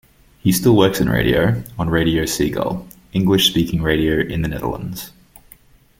He still works in radio, on Radio Seagull, English speaking radio in the Netherlands.